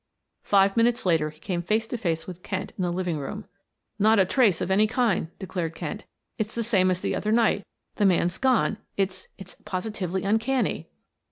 Five minutes later he came face to face with Kent in the living room. "Not a trace of any kind," declared Kent. "It's the same as the other night; the man's gone. It's it's positively uncanny."